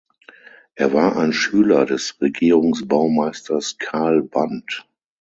Er war ein Schüler des Regierungsbaumeisters Karl Band.